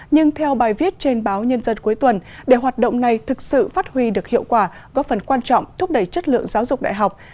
nhưng theo bài viết trên báo nhân dân cuối tuần để hoạt động này thực sự phát huy được hiệu quả góp phần quan trọng thúc đẩy chất lượng giáo dục đại học